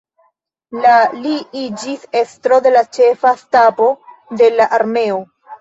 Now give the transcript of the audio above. La li iĝis estro de la ĉefa stabo de la armeo.